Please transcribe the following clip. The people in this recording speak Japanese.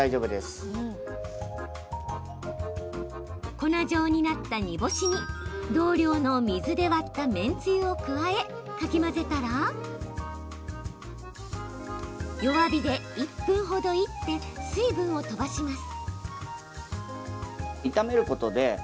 粉状になった煮干しに同量の水で割っためんつゆを加えかき混ぜたら弱火で１分ほどいって水分を飛ばします。